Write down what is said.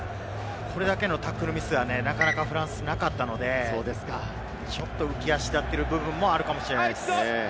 これだけのタックルミスはなかなかフランスなかったので、ちょっと浮き足立ってる部分もあるかもしれないです。